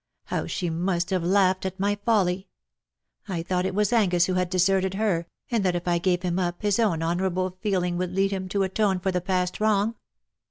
How she must have laughed at my folly ! I thought it was Angus who had deserted her, and that if I gave him up, his own honourable feeling would lead him to atone for that past wrong.